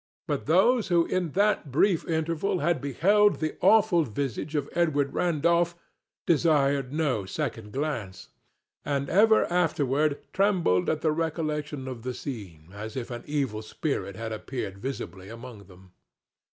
But those who in that brief interval had beheld the awful visage of Edward Randolph desired no second glance, and ever afterward trembled at the recollection of the scene, as if an evil spirit had appeared visibly among them.